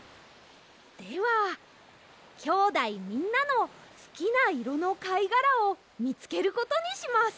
ではきょうだいみんなのすきないろのかいがらをみつけることにします。